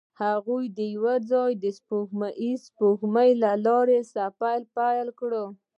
هغوی یوځای د سپوږمیز سپوږمۍ له لارې سفر پیل کړ.